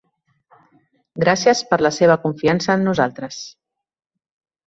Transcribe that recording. Gràcies per la seva confiança en nosaltres.